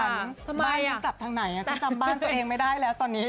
ฉันกลับทางไหนฉันจำบ้านตัวเองไม่ได้แล้วตอนนี้